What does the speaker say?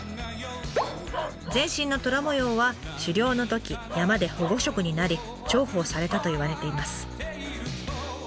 全身の虎もようは狩猟のとき山で保護色になり重宝されたといわれています。